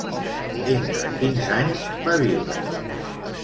Entre quins anys va viure?